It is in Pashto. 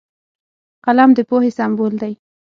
قلم د پوهې سمبول دی